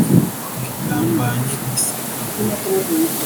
umugambanyi ni se kaguru